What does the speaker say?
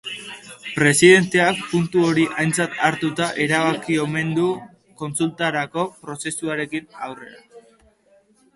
Presidenteak puntu hori aintzat hartuta erabaki omen du kontsultarako prozesuarekin aurrera jarraitzea.